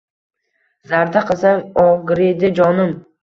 Zarda qilsang ogriydi jonim